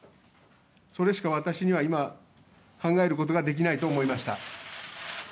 それしか私には今考えることはできないと思いました。